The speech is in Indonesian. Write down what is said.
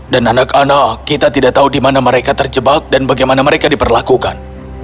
dan anak anak kita tidak tahu di mana mereka terjebak dan bagaimana mereka diperlakukan